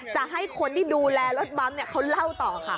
จะให้คนที่ดูแลรถบั๊มเขาเล่าต่อค่ะ